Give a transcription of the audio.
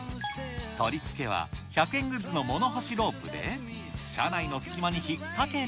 取り付けは、１００円グッズの物干しロープで、車内の隙間に引っ掛ける。